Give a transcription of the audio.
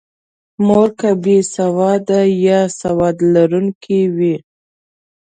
مور که بې سواده یا سواد لرونکې وي.